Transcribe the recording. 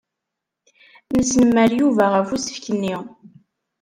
Nesnemmer Yuba ɣef usefk-nni.